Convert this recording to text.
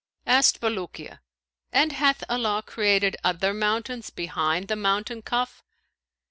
Asked Bulukiya, 'And hath Allah created other mountains behind the mountain Kaf?'